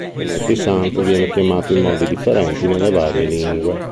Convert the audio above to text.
Il Venerdì santo viene chiamato in modi differenti nelle varie lingue.